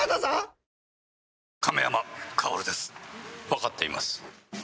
わかっています。